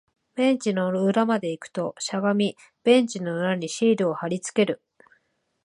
ベンチの裏まで行くと、しゃがみ、ベンチの裏にシールを貼り付ける